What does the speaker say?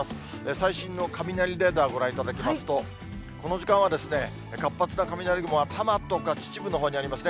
最新の雷レーダーご覧いただきますと、この時間は活発な雷雲は多摩とか秩父のほうにありますね。